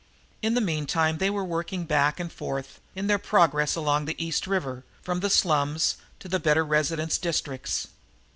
In the meantime they were working back and forth, in their progress along the East River, from the slums to the better residence districts.